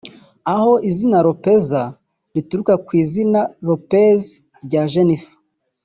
aho “lopezae” rituruka ku izina Lopez rya Jennifer